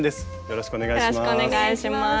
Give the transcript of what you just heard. よろしくお願いします。